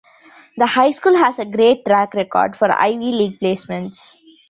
The high school has a great track record for Ivy League placements.